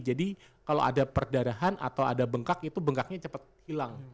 jadi kalau ada perdarahan atau ada bengkak itu bengkaknya cepat hilang